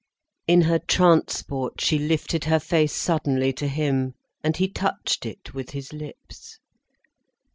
In her transport she lifted her face suddenly to him, and he touched it with his lips.